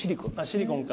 シリコンか。